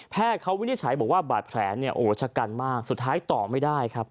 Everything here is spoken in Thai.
เขาวินิจฉัยบอกว่าบาดแผลเนี่ยโอ้ชะกันมากสุดท้ายต่อไม่ได้ครับ